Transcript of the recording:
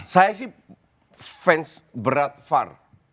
saya sih fans berat var